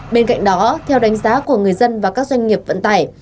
bên cạnh đó theo đánh giá của người dân và các doanh nghiệp vận tải